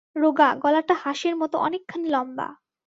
রোগা, গলাটা হাঁসের মতো অনেকখানি লম্বা।